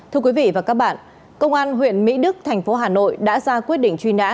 thưa quý vị và các bạn công an huyện mỹ đức thành phố hà nội đã ra quyết định truy nã